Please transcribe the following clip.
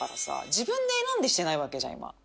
自分で選んでしてないわけじゃん今。